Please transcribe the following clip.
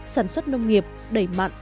sản xuất nông nghiệp đẩy mạng